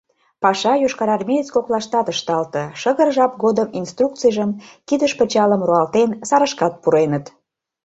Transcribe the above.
Паша йошкарармеец коклаштат ышталте, шыгыр жап годым инструкцийжым, кидыш пычалым руалтен сарышкат пуреныт.